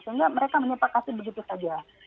sehingga mereka menyepakati begitu saja